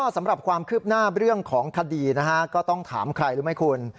สำหรับความคืบหน้าเรื่องของคดีนะฮะก็ต้องถามใครรู้ไหมคุณ